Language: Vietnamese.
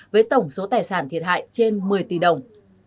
với tổng số tài sản thiệt hại trên một mươi tỷ đồng